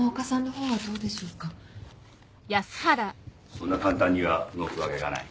そんな簡単には動くわけがない。